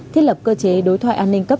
thiết lập cơ chế đối thoại an ninh cấp